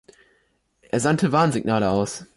Er sandte Warnsignale aus.